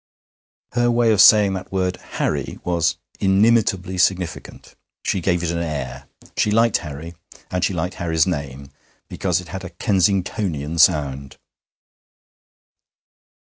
Her way of saying that word 'Harry' was inimitably significant. She gave it an air. She liked Harry, and she liked Harry's name, because it had a Kensingtonian sound.